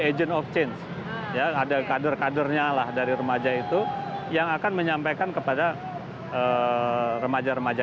agent of change ya ada kader kadernya lah dari remaja itu yang akan menyampaikan kepada remaja remaja